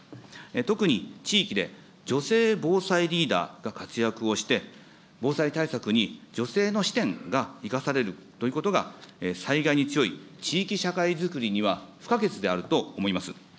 特に地域で女性防災リーダーが活躍をして、防災対策に女性の視点が生かされるということが、災害に強い地域社会づくりには不可欠であると思います。